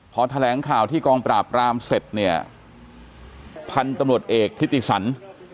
พอแถลงข่าวที่กองปราบรามเสร็จเนี่ยพันธุ์ตำรวจเอกทิติสัน